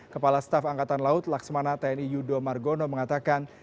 kepala staf angkatan laut laksamana tni yudo margono mengatakan